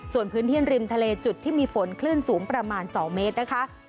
ส่วนพื้นที่ริมทะเลจุดที่มีฝน๒๐๐๕ขึ้นสูงประมาณ๒เมตร